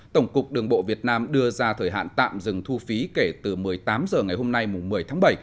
tổng cục đường bộ việt nam đưa ra thời hạn tạm dừng thu phí kể từ một mươi tám h ngày hôm nay một mươi tháng bảy